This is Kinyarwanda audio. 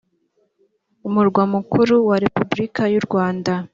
umurwa mukuru wa repubulika y urwanda